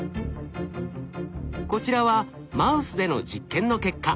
こちらはマウスでの実験の結果。